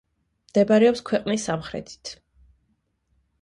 მდებარეობს ქვეყნის სამხრეთით.